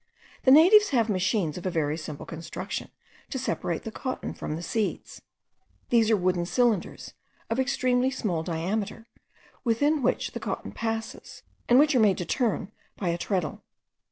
The natives have machines of a very simple construction to separate the cotton from the seeds. These are wooden cylinders of extremely small diameter, within which the cotton passes, and which are made to turn by a treadle.